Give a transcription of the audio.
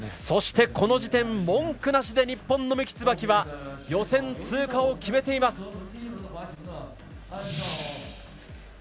そしてこの時点文句なしで日本の三木つばきは予選通過を決めています。